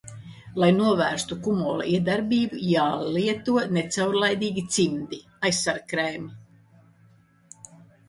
Lai novērstu kumola iedarbību, jālieto necaurlaidīgi cimdi, aizsargkrēmi.